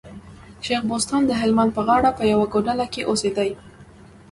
شېخ بستان د هلمند په غاړه په يوه کوډله کي اوسېدئ.